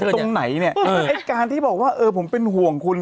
ตรงไหนเนี่ยไอ้การที่บอกว่าเออผมเป็นห่วงคุณ